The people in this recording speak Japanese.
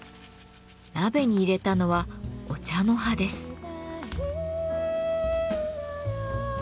鍋に入れたのはお茶の葉です。